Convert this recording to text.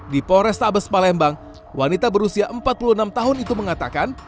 di polrestabes palembang wanita berusia empat puluh enam tahun itu mengatakan